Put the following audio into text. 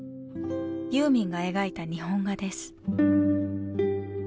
ユーミンが描いた日本画です。